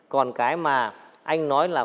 còn cái mà anh nói là